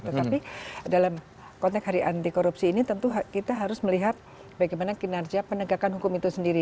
tetapi dalam konteks hari anti korupsi ini tentu kita harus melihat bagaimana kinerja penegakan hukum itu sendiri